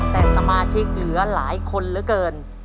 แต่สมาชิกเหลือหลายคนเหลือเกิน